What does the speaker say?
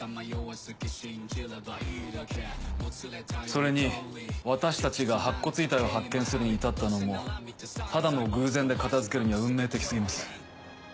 それに私たちが白骨遺体を発見するに至ったのもただの偶然で片付けるには運命的過ぎます。